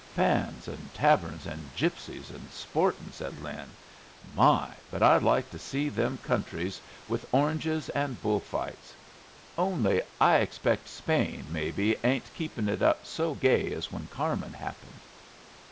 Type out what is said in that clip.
"Fans and taverns and gypsies and sportin'," said Lin. "My! but I'd like to see them countries with oranges and bull fights! Only I expect Spain, maybe, ain't keepin' it up so gay as when 'Carmen' happened."